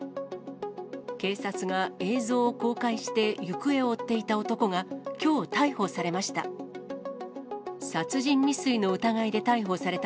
警察が映像を公開して行方を追っていた男がきょう、逮捕されました。